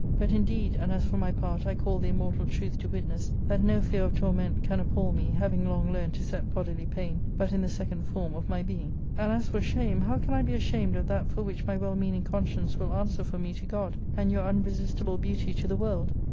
But indeed, and as for my part, I call the immortal truth to wit ness that no fear of torment can appal me, having long learned to set bodily pain but in the second form of my being. And as for shame, how can I be ashamed of that for which my well meaning conscience will answer for me to God, and your unresistible beauty to the world